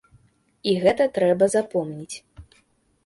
І гэта трэба запомніць.